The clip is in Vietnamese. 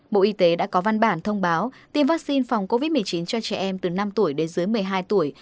bộ y tế đã có văn bản thông báo tiêm vaccine phòng covid một mươi chín cho trẻ em từ năm tuổi đến dưới một mươi hai tuổi